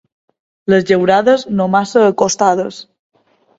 Les llaurades, no massa acostades.